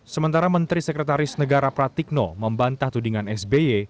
sementara menteri sekretaris negara pratikno membantah tudingan sby